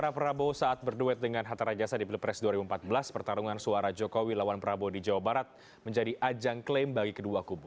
pertarungan suara jokowi lawan prabowo di jawa barat menjadi ajang klaim bagi kedua kubu